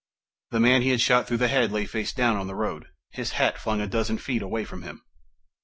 The man he had shot through the head lay face down on the road, his hat flung a dozen feet away from him.